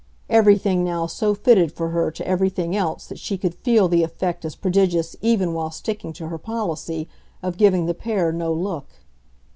Everything now so fitted for her to everything else that she could feel the effect as prodigious even while sticking to her policy of giving the pair no look.